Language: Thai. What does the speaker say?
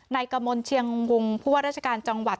กระมวลเชียงวงผู้ว่าราชการจังหวัด